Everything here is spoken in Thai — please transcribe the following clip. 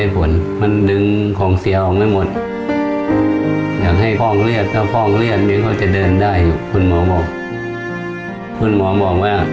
คุณหมอบอกคุณหมอบอกว่า